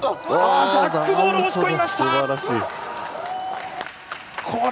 ジャックボールを押し込んだ！